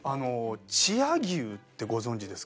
千屋牛ってご存じですか？